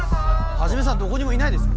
始さんどこにもいないですよ。